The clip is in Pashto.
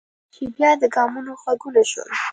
چې بیا د ګامونو غږونه شول.